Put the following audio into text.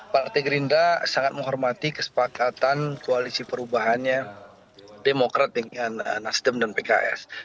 partai gerindra sangat menghormati kesepakatan koalisi perubahannya demokrat dengan nasdem dan pks